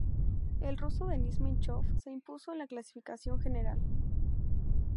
El ruso Denis Menchov se impuso en la clasificación general.